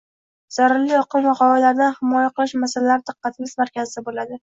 zararli oqim va g‘oyalardan himoya qilish masalalari diqqatimiz markazida bo'ladi.